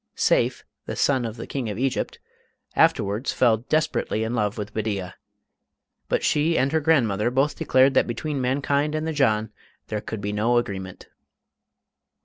Seyf, the son of the King of Egypt, afterwards fell desperately in love with Bedeea, but she and her grandmother both declared that between mankind and the Jann there could be no agreement.